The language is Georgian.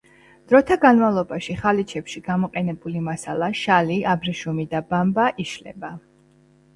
დროთა განმავლობაში ხალიჩებში გამოყენებული მასალა შალი, აბრეშუმი და ბამბა, იშლება.